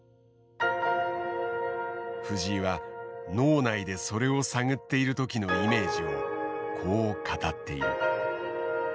藤井は脳内でそれを探っている時のイメージをこう語っている。